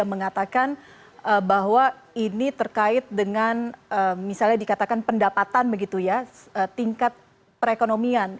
mengatakan bahwa ini terkait dengan misalnya dikatakan pendapatan begitu ya tingkat perekonomian